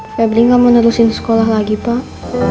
febri gak mau nerusin sekolah lagi pak